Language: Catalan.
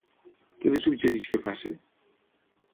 Què li suggereix que faci?